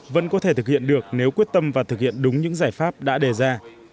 vẫn có thể thực hiện được nếu quyết tâm và thực hiện đúng những giải pháp đã đề ra